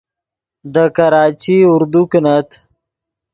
دے کراچی اردو کینت